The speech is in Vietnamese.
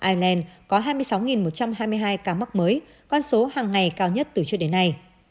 ireland có hai mươi sáu một trăm hai mươi hai ca mắc mới con số hàng ngày cao nhất từ trước đến nay